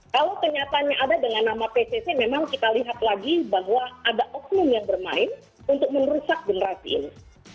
kalau kenyataannya ada dengan nama pcc memang kita lihat lagi bahwa ada oknum yang bermain untuk merusak generasi ini